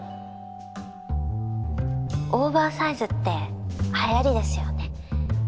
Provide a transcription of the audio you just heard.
オーバーサイズってはやりですよね。